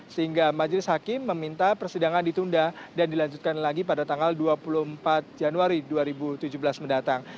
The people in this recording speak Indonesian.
sehingga majelis hakim meminta persidangan ditunda dan dilanjutkan lagi pada tanggal dua puluh empat januari dua ribu tujuh belas mendatang